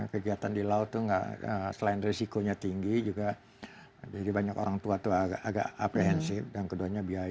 kegiatan di laut itu selain risikonya tinggi juga jadi banyak orang tua itu agak aprehensif dan keduanya biaya